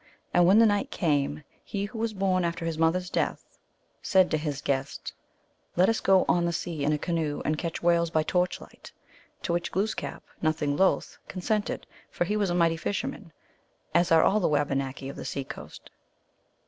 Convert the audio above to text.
And when the night came, he who was born after his mother s death said to his guest, " Let us go 011 the sea in a canoe and catch whales by torchlight;" to which Glooskap, nothing loath, consented, for he was a mighty fisherman, as are all the Wabanaki of the seacoast.